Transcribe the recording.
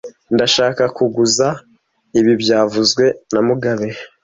Ndashaka kuguza ibi byavuzwe na mugabe